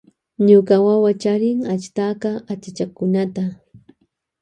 Ñuka wawa charin ashtaka achachakunata.